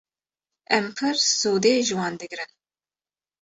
Em pir sûdê ji wan digirin.